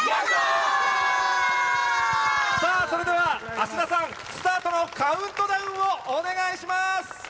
さあ、それでは芦田さん、スタートのカウントダウンをお願いします。